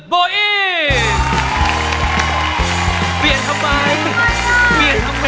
กรุงเทพหมดเลยครับ